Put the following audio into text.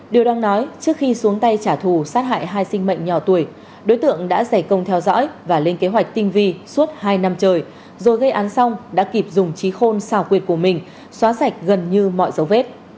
điều đang nói trước khi xuống tay trả thù sát hại hai sinh mệnh nhỏ tuổi đối tượng đã giải công theo dõi và lên kế hoạch tinh vi suốt hai năm trời rồi gây án xong đã kịp dùng trí khôn xào quyệt của mình xóa sạch gần như mọi dấu vết